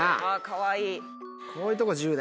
かわいい。